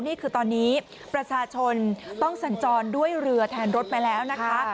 นี่คือตอนนี้ประชาชนต้องสัญจรด้วยเรือแทนรถไปแล้วนะคะ